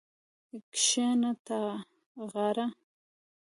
کښېنه تاغاره